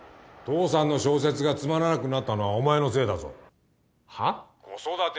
父さんの小説がつまらなくなったのはお前のせいだぞ。